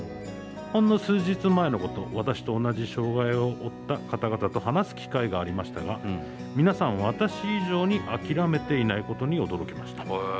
ほんの数日前のこと私と同じ障害を負った方々と話す機会がありましたが皆さん、私以上に諦めていないことに驚きました。